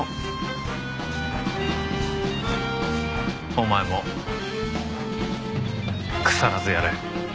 お前も腐らずやれ。